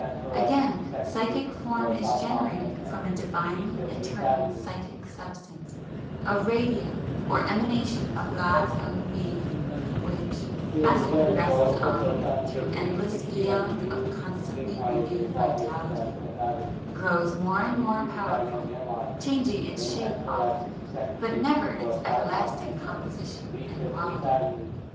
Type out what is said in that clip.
Again, psychic form is generated from a divinely eternal psychic substance, a 'radia' or emanation of God's own Being which, as it progresses onward through endless aeons of constantly renewed vitality, grows more and more powerful, changing its shape often, but never its everlasting composition and quality.